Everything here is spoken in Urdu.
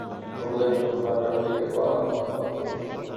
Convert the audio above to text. عملے پر حملہ کرنے کے بعد خاتون